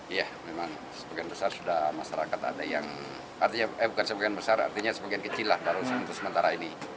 iya memang sebagian besar sudah masyarakat ada yang artinya eh bukan sebagian besar artinya sebagian kecil lah barusan untuk sementara ini